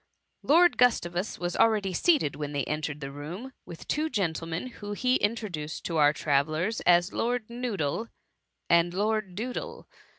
Lord Gustavus was already seated, when they entered the room, with two gentlemen, whom he introduced to our travellers as Lord Noodle and Lord Doodle.